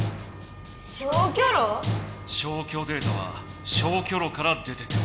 消去データは消去炉から出てくる。